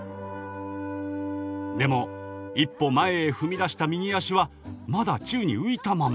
でも一歩前へ踏み出した右足はまだ宙に浮いたまま。